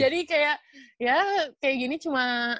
jadi kayak gini cuma